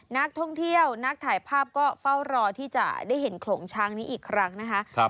นักท่องเที่ยวนักถ่ายภาพก็เฝ้ารอที่จะได้เห็นโขลงช้างนี้อีกครั้งนะคะ